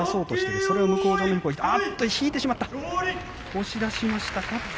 押し出しました